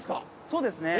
そうですね。